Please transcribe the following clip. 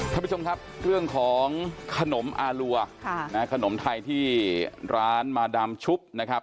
ท่านผู้ชมครับเรื่องของขนมอารัวขนมไทยที่ร้านมาดามชุบนะครับ